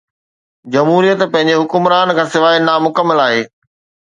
جمهوريت پنهنجي حڪمران کان سواءِ نامڪمل آهي